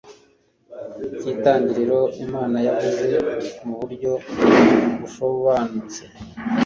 cy'itangiriro, imana yavuze mu buryo busobanutse